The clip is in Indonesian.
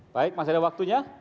baik masih ada waktunya